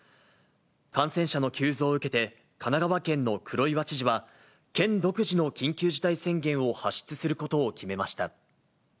感染者の急増を受けて、神奈川県の黒岩知事は、県独自の緊急事態宣言を発出することを決めました。